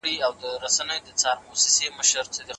حکومت د عدالت لپاره دی.